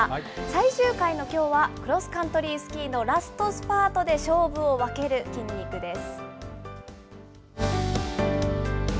最終回のきょうは、クロスカントリースキーのラストスパートで勝負を分ける筋肉です。